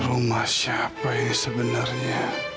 rumah siapa ini sebenarnya